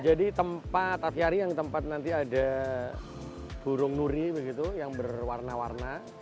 jadi tempat aviari yang tempat nanti ada burung nuri begitu yang berwarna warna